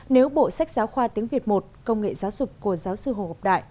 nếu bộ sách giáo khoa tiếng việt một công nghệ giáo dục của giáo sư hồ ngọc đại